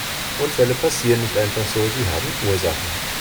Unfälle passieren nicht einfach so, sie haben Ursachen.